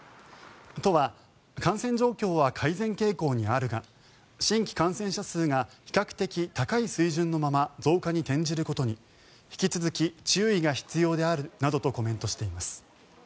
都は感染状況は改善傾向にあるが新規感染者数が比較的高い水準のまま増加に転じることに引き続き注意が必要であるなどとコメントしています。